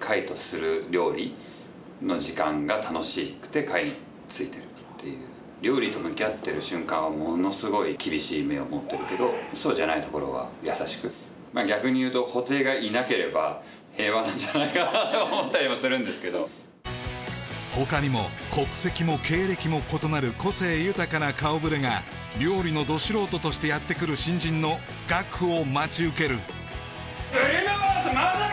海とする料理の時間が楽しくて海についてるっていう料理と向き合ってる瞬間はものすごい厳しい目を持ってるけどそうじゃないところは優しく逆に言うと布袋がいなければ平和なんじゃないかなと思ったりもするんですけど他にも国籍も経歴も異なる個性豊かな顔ぶれが料理のド素人としてやってくる新人の岳を待ち受けるブリュノワーズまだか！